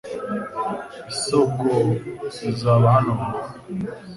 Isoko izaba hano vuba .